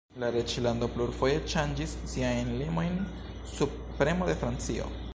La reĝlando plurfoje ŝanĝis siajn limojn, sub premo de Francio.